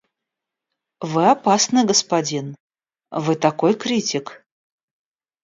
Вы опасный господин; вы такой критик.